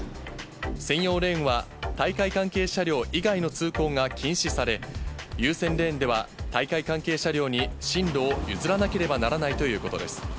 専用レーンは、大会関係車両以外の通行が禁止され、優先レーンでは、大会関係車両に進路を譲らなければならないということです。